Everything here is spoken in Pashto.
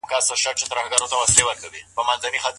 حنفي فقهاء د ايلاء په اړه څه وايي؟